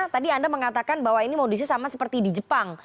tadi anda mengatakan bahwa ini modusnya sama seperti di jepang